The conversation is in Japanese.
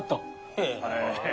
へえ。